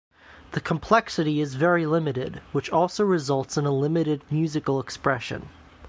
The complexity is very limited, which also results in a limited musical expression.